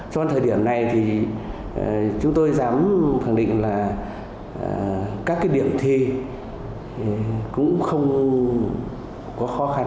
cho đến thời điểm này thì chúng tôi dám khẳng định là các cái điểm thi cũng không có khó khăn